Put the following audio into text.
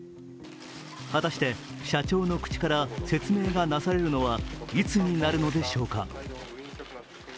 果たして、社長の口から説明がなされるのはいつになるのでしょうか。